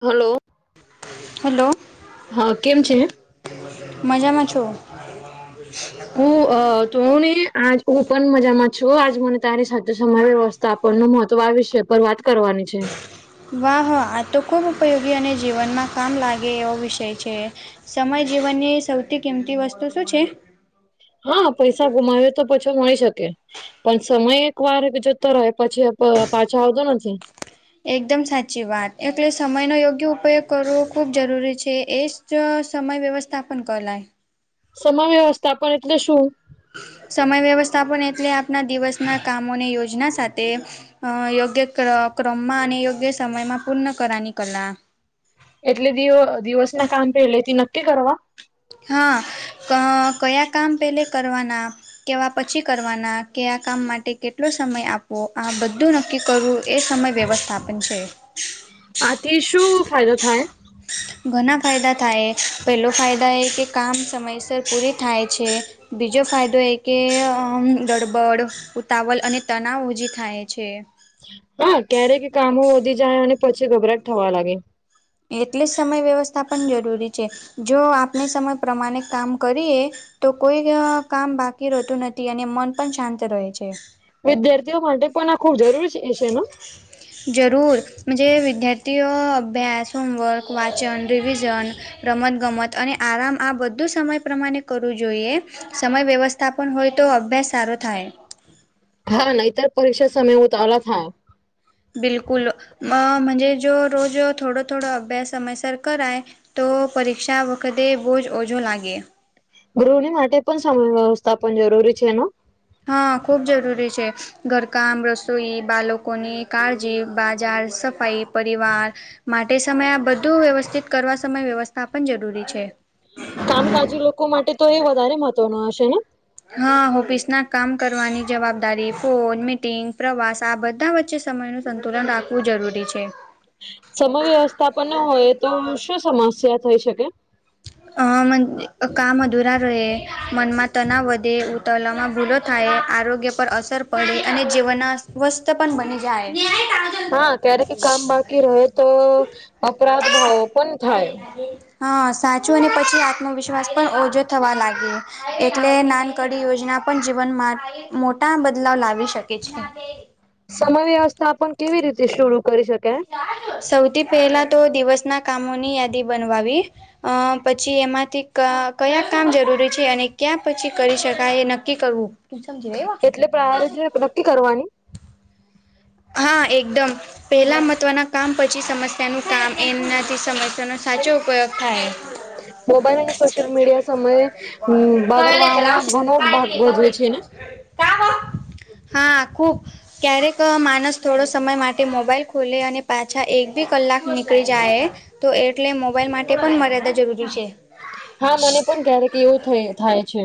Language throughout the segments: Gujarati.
હલો. હેલો. હા કેમ છે. મજામાં છો. હું તો હું ને હા હુ પણ મજામાં છુ. છ આજ મને તારી સાથે સમય વ્યવસ્થા આપણનું મહત્વ આ વિષય પર વાત કરવાની છે. વાહ આ તો ખૂબ ઉપયોગી અને જીવનમાં કામ લાગે એવો વિષય છે. સમય જીવનની સૌથી કિંમતી વસ્તુ શું છે? હા પૈસા ગુમાવે તો પછો મળી શકે. પણ સમય એક વાર જતો રહે પછી પાછો આવતો નથી. એકદમ સાચી વાત એટલે સમયનોો યોગ્ય ઉપયોગ કરવો ખૂબ જરૂરી છે એ. જો સમય વ્યવસ્થાપન ક લાય. સમમાવ્યવસ્થાપન એટલે શું? સમય વ્યવસ્થાપન એટલે આપના દિવસના કામોની યોજના સાથે અ યોગ્ય ક્રમમાં અને યોગ્ય સમયમાં પૂર્ણ કરવાની કલા એટલે દ દિવસ ના કામ પેલેથી નક્કી કરવા હા કયા કામ પેલે કરવાના કેવા પછી કરવાના કે આ કામ માટે કેટલો સમય આપવો આ બધું ન કી કરવું એ સમય વ્યવસ્થાપન છે. આથી શું ફાયદો થાય. ઘણા ફાયદા થાય પહેલો ફાયદા એ કે કામ સમયસર પૂરી થાય છે. બીજો ફાયદો એ કે ગડબડ ઉતાવલ અને તનાવ ઓજી થાય છે. હા ક્યારેક કામો વધી જાય અને પછી ગભરાટ થવા લાગે એટલે જ સમય વ્યવસ્થા પણ જરૂરી છે જો આપણે સમય પ્રમાણે કામ કરીએ તો કોઈ કામ બાકી રહેતું નથી અને મન પણ શાંત રહે છે. વિદ્યાર્થીઓ માટે પણ આ ખુંબ જરૂરી છે છે ને જરૂરજે વિદ્યાર્થીઓ અભ્યાસ હોમવર્ક વાચન રિવિવિઝન રમત ગમત અને આરામ આ બધું સમય પ્રમાણે કરવું જોઈએ સમય વ્યવસ્થાપન હોય તો અભ્યાસ સારો થાય. હા નતર પરીક્ષા સમય ઉતા આલા હા [inaudible] બિલકુલ અજ જો રોજ થોડો થોડો અભ્યાસ સમયસર કરાય તો પરીક્ષા વખતે બહુ જ ઓછો લાગે ગૃહની માટે પણ સમય વ્યવસ્થાપન જરૂરી છે એનો હા ખૂબ જરૂરી છે. ઘરકામ રસોઈ બાળકોની કાળજી બાજાર સફાાઈ પરિવાર માટે સમયે આ બધું વ્યવસ્થિત કરવા સમય વ્યવસ્થા પણન જરૂરી છે. કામકાજી લોકો માટે તો એ વધારે મહત્વ ન હશે ને હા ઓફિસ ના કામ કરવાની જવાબદારી ફોન મીટિંગ પ્રવાસ આ બધા વચ્ચે સમયનું સંતુલન રાખવું જરૂરી છે. સમ વ્યવસ્થા પણ ન હોય તો શું સમસ્યા થઈ શકે અ મ કામ અધૂરા રહે મનમાં તનાવ વધે ઉ તલામાં ભૂલો થાય આરોગ્ય પર અસર પડે અને જીવનમાં સ્વસ્થ પણ બની જાય. હા ક્યારેક કામ બાકી રહે તો અપરાધ ભાવો પણ થાય હા સાચું અને પછી આત્મવિશ્વાસ પણ ઓછો થવા લાગી એટલે નાનકડી યોજના પણ જીવનમાં મોટા બદલાવ લાવી શકે છે. સમય વ્યવસ્થા પણ કેવી રીતે શરૂ કરી શકે સૌથી પહેલા તો દિવસ ના કામોની યાદી બનવાવી અ પછી એમાંથી કયા કામ જરૂરી છે અને ક્યાં પછી કરી શકાય એ નક્કી કરવું કું સમજીીવેવ [unintelligible] એટલે પ્રાયોરિટી નક્કી કરવાની હા એકદમ પહેલા મહત્વના કામ પછી સમસ્યાનું કામ એનાથી સમસ્યાનો સાચો ઉપયોગ થાય. મોબાઈલ અને સોશિયલ મીડિયા સમયે કલે તો બગડવામાં લાવશે ઘણો ભાગ ભજવે છે ને પાપ [inaudible] હા ખુબ ક્યારેક મા માણસ થોડો સમય માટે મોબાઈલ ખોલે અને પાછા એક બી કલાક નીકળી જાય. તો એટલે મોબાઈલ માટે પણ મર્યાદા જરૂરી છે. હા મને પણ ક્યારેક એવું થ થાય છે.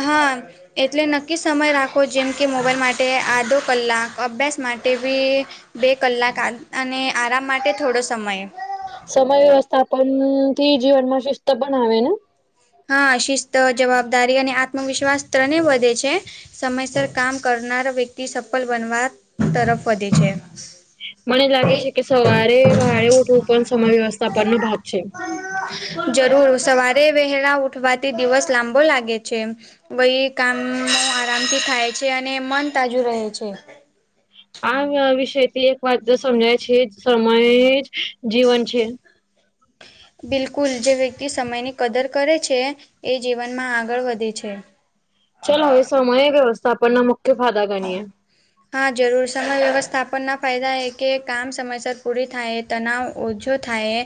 અહાન એટલે નક્કી સમય રાખો જેમ કે મોબાઈલ માટે આધો કલાક અભ્યાસ માટે બી બે કલાક આત અને આરામ માટે થોડો સમય સમય વ્યવસ્થાપન થી જીવનમાં શિસ્ત બનાવે ને હા શિસ્ત જવાબદારી અને આત્મવિશ્વાસ ત્રણે વધે છે. સમયસર કામ કરનાર વ્યક્તિ સફલ બનવા તરફ વધે છે. મને લાગે છે કે સવારે વહારેે ઉઠવું પણ સમય વ્યવસ્થાપનનો ભાગ છે. જરૂર સવારે વહેલા ઉઠવાથી દિવસ લાંબો લાગે છે. વય કામો આરામથી થાય છે અને મન તાજું રહે છે. આ વિષય થી એક વાત જ સમજાય છે સમય જ જીવન છે. બિલકુલ જે વ્યક્તિ સમયની કદર કરે છે એ જીવનમાં આગળ વધે છે. ચલ હવે સમય વ્યવસ્થાપનના મુખ્ય ફાદા ગણીએ હા જરૂર સમય વ્યવસ્થાપન ના ફાયદા એ કે કામ સમયસર પૂરી થાય. તનાવ ઓછો થાયે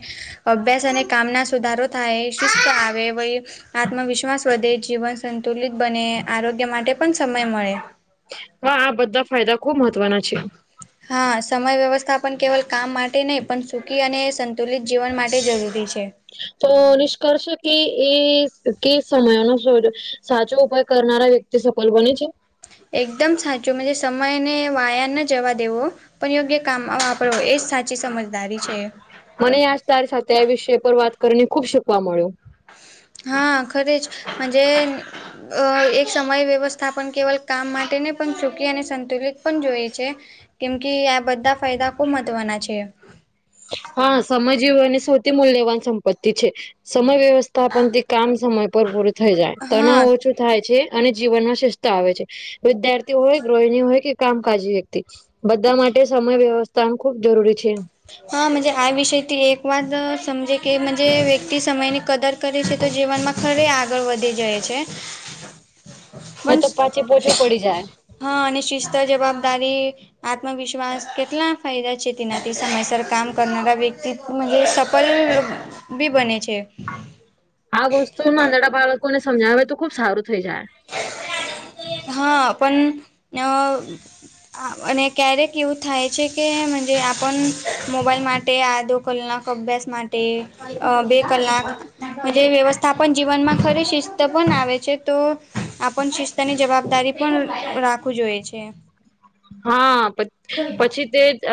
અભ્યાસ અને કામ ના સુધારો થાયે શિસ્ત આવે વય. આત્મવિશ્વાસ વધે જીવન સંતુલિત બને આરોગ્ય માટે પન સમય મળે વા આ બધા ફાયદા ખુબ મહત્વના છે. હા સમય વ્યવસ્થાપન કેવલ કામ માટે નઇ પન સુખી અને સંતુલિત જીવન માટે જરૂરી છે. તો નિષ્કર્ષ કે એ કે સમયનો સોજો સાચો ઉપાય કરનારા વ્યક તી સફલ બને છે. એકદમ સાચું મજે સમય અને વાયાને જવા દેવો. પણ યોગ્ય કામ વાપરવો એજ સાચી સમજદારી છે. મને આજ તારી સાથે આ વિષય પર વાત કરીને ખુબ શીખવા મળ્યું. હા ખરે જ મજે. અ એક સમય વ્યવસ્થાપન કેવલ કામ માટે નઇ પણ સુખી અને સંતુલિત પણ જોઈ છે. કેમ કે આ બધા ફાયદા ખૂબ મહત્ત્વના છે. હા સમયજીવો અને સૌથી મૂલ્યવાન સંપત્તિ છે સમય વ્યવસ થાપનથી કામ સમય પર પૂરું થઈ જાય તણાવ હા ઓછું. થાય છે અને જીવનમાં શિસ્ત આવે છે. વિદ્યાર્થી હોય ગૃહિણી હોય કે કામકાજ વ્યક્તિ. બધા માટે સમય વ્યવસ્થાનું ખુબ જરૂરી છે. હા મજે આ વિષયથી એક વાદ સમજે કે મજે વ્યક્તિ સમયની કદર કરે છે તો જીવનમાં ખરે આગળ વધી જાય છે. પન ન તો પાછી પોછું પડી જાય હા અને શિસ્ત જવાબદારી. આત્મવિશ્વાસ કેટલા ફાયદા છે તેનાથી સમયસર કામ કરનારા વ્યક્તિ મજે સફલ બી બને છે. આ વસ્તુ નાંદડા બાળકોને સમજાવે તો ખુબ સારું થઈ જાય. હા પન અ હા અને ક્યારેક એવું થાય છે કે મજે આપન મોબાઈલ માટે આધો કલાક અભ્યાસ માટે અ બે કલાક. મજે વ્યવસ્થાપન જીવનમાં ખરે શિસ્ત પન આવે છે તો આપન શિસ્તની જવાબદારી પણ રાખું જોયે છે. હા પ પછી તે જ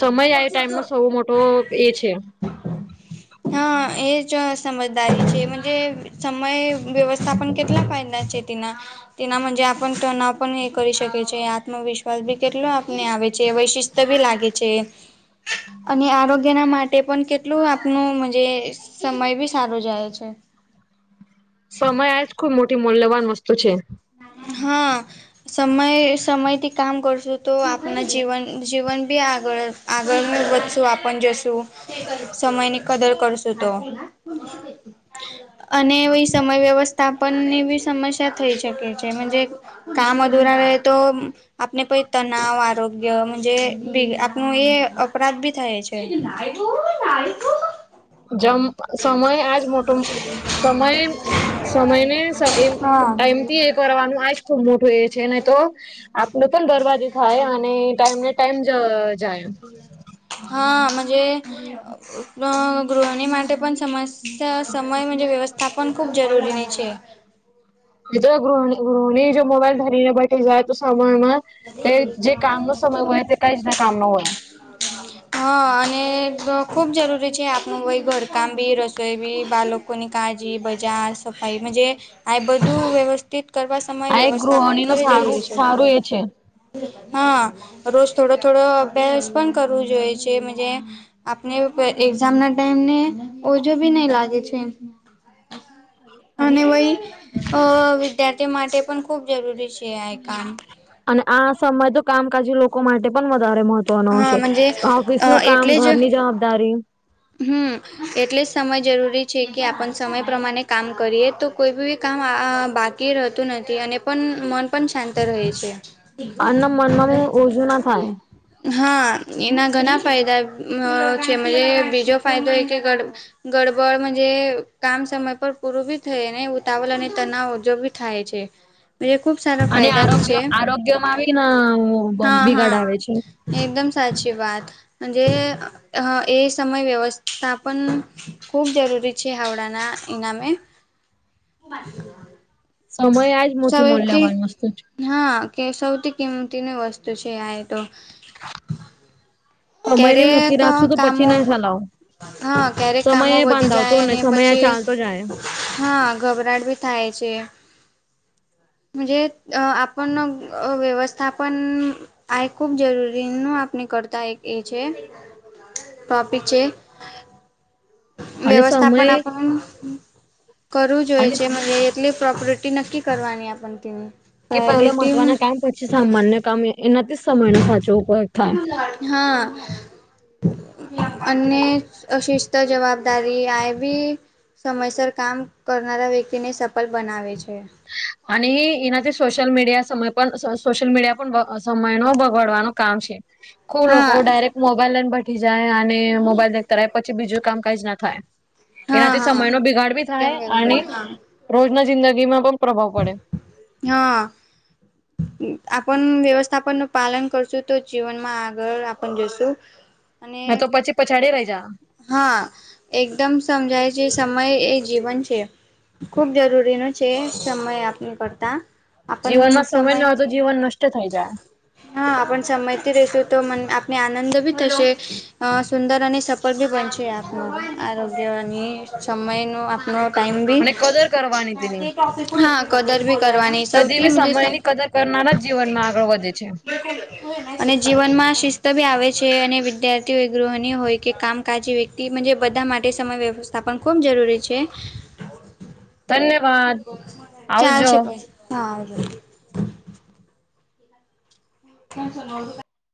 સમય આય ટાઈમનો સૌ મોટો એ છે. [inaudible] હા એ જ સમજદારી છે મજે. સમય વ્યવસ્થાપન કેટલા ફાયદા છે તેના. તેના મજે આપન તનાવ પન એ કરી શકે છે આત્મવિશ્વાસ ભી કેટલો આપને આવે છે વૈશિષ્ટ બી લાગે. ગે છે અને આરોગ્ય ના માટે પન કેટલું આપનું મજે સમય બી સારો જાય છે. સમય આજ ખુબ મોટી મુલ્યવાન વસ્તુ છે. હા સમય સમયથી કામ કરશું તો આપના જીવન જીવન બી આગળ આગળને વધશું આપણ જશું. સમય ની કદર કરશું તો અને સમય વ્યવસ્થાપન ની બી સમસ્યા થઈ શકે છે મજે. કામ અધુરા રહેતો. આપને પઈ તનાવ આરોગ્યજ આપણ એ અપરાધ બી થાય છે. એજ ના ના જમ સમય આજ મોટો સમય સમય ને એ હા ટાઈમ થી એ કરવાનું આ ખૂબ મોટું એ છે નહી તો આપણ પણ દરવાજો થાય અને ટાઈમ ને ટાઈમ જાય. હાજ ગૃહણી માટે પણ સમ સમય વ્યવસ્થા પણન ખૂબ જરૂરીની છે. એ તો ગૃહ ગૃહણી જો મોબાઈલ ધરીને બેઠી જાય તો સામાણ માં તે જે કામનો સમય હોય તે કઈ જ ના કામ ન હોય. હમ હા અને ખુબ જરૂરી છે આપણું ભઈ ઘરકામ બી રસોઈ બી બાલોકો કોની કાળજી બજાર સફાાઈજ આ બધું વ્યવસ્થિત કરવા સમય આ એક વ્યવસ્થા પણ ગૃહણી ન ખરી સારું જરૂરી છે. સારું એ છે હા રોજ થોડો થોડો અભ્યાસ પણ કરવો જોઈએ છેજ આપણે એક્ઝામ ના ટાઈમ ને ઓજો બી નહી લાગે છે. [inaudible] અને વય અ વિદ્યાર્થી માટે પણ ખૂબ જરૂરી છે આ એ કામ અને આ સમય તો કામકાજી લોકો માટે પણ વધારે મહત્ નો હા છે ઓફિસ અ નું કામ એટલે જ ઘરની જવાબદારી હમ એટલે જ સમય જરૂરી છે કે આપ સમય પ્રમાણે કામ કરીએ તો કોઈ બી કામ બાકી રહેતું નથી અને પણ મન પણ શાંત રહે છે. આના મનમાં ઓછું ના થાય. હા એના ઘણા ફાયદા છે મ બીજો ફાયદો એ કે ગડબડ જે કામ સમય પર પૂરું ભી થઈ ને ઉતાવળ અને તનાવ ઓજો બી થાય છે. [inaudible] ખબ સાર અને આરોગ્ય આરોગ્યમાં બ ના હા બિગાડ આવે હા છે. એકદમ સાચી વાતજ એ સમ સમય વ્યવસ્થાપન ખૂબ જરૂરી છે હાવડાના ઇનામે સમય આજ મોટી સૌથી મલ્યવાન વસ્તુ હા કે સૌથી કિંમતીની વસ્તુ છે આ તો સમયને ક્યારે મૂકી ક રાખશું તો પછી કામો નહી ચલાવો હા ક્યારેક સમય કામો એ વધી બાંધાવતો જાય ને અને સમય એ પછી. ચાલતો જાય હા ઘબરાટ બી થાય છે. જે આપણ વ્યવસ્થાપન આ ખુબ જરૂરી ન આપને કરતા એક એ છે ટોપિક છે. અને સમય વ્યવસ્થાપન આપ કરું જોય અને છે. એટલી પ્રોપર્ટી નક્કી કરવાની આપ તેની કે પહેલા પ્રાયોરિટી મહત્વના કામ પછી સામાન્ય કામ એનાથી જ સમય નો સાચો ઉપયોગ થાય. હા અન્ય અ શિસ્ત જવાબદારી આ બી સમયસર કામ કરનારા વ્યક્તિને સફળ બનાવે છે. અને એનાથી સોશિયલ મીડિયા સમય પણ સોશિયલ મીડિયા પણ સમય ન બગાડવાનું કામ છે. ખુબ લોકો હા ડાયરેક્ટ મોબાઈલને બ જાય અને મોબાઈલ દેખતા રહે પછી બીજું કામ કઈ ના થાય. હા એનાથી હા સમયનો બિગાડ ભી થાય એકદમ અને બરાબર રોજના જિંદગીમાં પણ પ્રભાવ પડે હા આપણ વ્યવસ્થાપન નું પાલન કરશું તો જીવનમાં આગળ આપ જશું અને હ તો પછી પછાડી રહી જા હા એકદમ સમજાય છે સમય એ જીવન છે. ખુબ જરૂરી ન છે સમય આપ કરતા આપણ જીવનમાં સમય ન હો તો સમયથી જીવન નષ્ટ થઈ જાય. હા આપ સમજતી રશું તો મ આપને આનંદ ભી થશે સુંદર અને ઉપર [inaudible] આપનો આરોગ્યની સમયનો આપનો, ટાઈમ બી અને કદર કરવાની તેની હા કદર ભી કરવાની સૌથી કરનાર જ જીવનમાં આગળ વધે છે. અને જીવન માં શિસ્ત ભી આવે છે અને વિદ્યાર્થીઓ એ ગૃહની હોય કે કામકાજી વ્યક્તિ બધા માટે સમય વ્યવસ્થા પણ ખૂબ જરૂરી છે. ધન્યવાદ ચાલ આવજો છે પણ હા [inaudible]